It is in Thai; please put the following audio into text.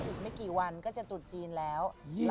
อีกไม่กี่วันก็จะตรุษจีนแล้ว